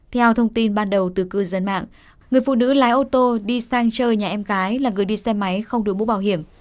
theo thông tin ban đầu từ cư dân mạng người phụ nữ lái ô tô đi sang chơi nhà em gái là người đi xe máy không đổi mũ bảo hiểm